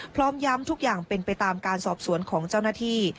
พร้อมย้ำทุกอย่างเป็นไปตามการสอบสวนของเจ้าหน้าที่